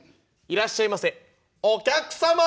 「いらっしゃいませ」。